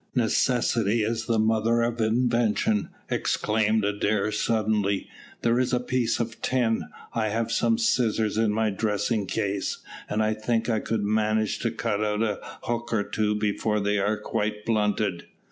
"Necessity is the mother of invention," exclaimed Adair suddenly. "Here's a piece of tin. I have some scissors in my dressing case, and I think I could manage to cut out a hook or two before they are quite blunted.